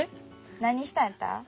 何したんやった？